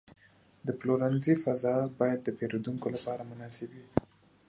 د پلورنځي فضا باید د پیرودونکو لپاره مناسب وي.